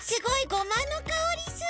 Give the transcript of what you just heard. ごまのかおりする！